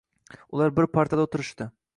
Ular bir partada o‘tirishdi.